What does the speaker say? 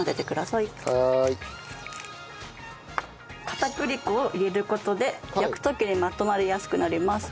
片栗粉を入れる事で焼く時にまとまりやすくなります。